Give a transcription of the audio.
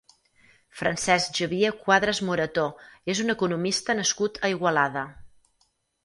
Francesc Xavier Cuadras Morató és un economista nascut a Igualada.